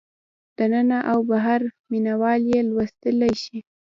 دننه او بهر مینه وال یې لوستلی شي.